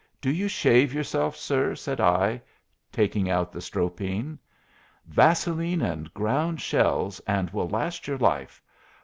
"Do you shave yourself, sir?" said I, taking out the Stropine. "Vaseline and ground shells, and will last your life.